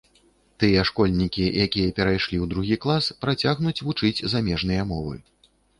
Тыя школьнікі, якія перайшлі ў другі клас, працягнуць вучыць замежныя мовы.